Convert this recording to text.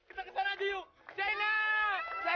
terima kasih banyak banyak